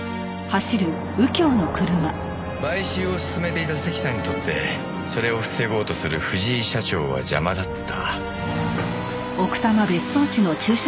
買収を進めていた関さんにとってそれを防ごうとする藤井社長は邪魔だった。